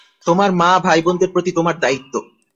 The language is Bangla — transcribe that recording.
তোমার মা, ভাই-বোন দের প্রতি তোমার দায়িত্ব।